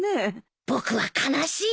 僕は悲しいよ。